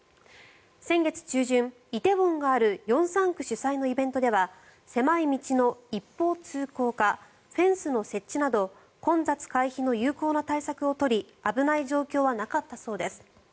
先月中旬、梨泰院がある龍山区主催のイベントでは狭い道の一方通行化フェンスの設置など混雑回避の有効な対策を取り危ない状況はなかったそうです。